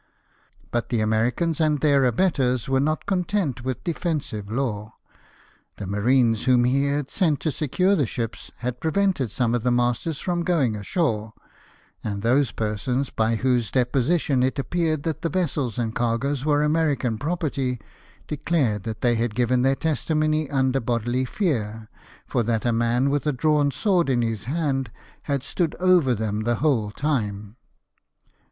But the Americans and their abettors were not content with defensive law. The marines whom he had sent to secure the ships had prevented some of the masters from going ashore ; and those persons, by whose depositions it appeared that the vessels and cargoes were American property, declared that they had given their testimony under bodily fear, for that a man with a drawn sword in his hand had stood over them the whole time.